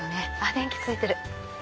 電気ついてる！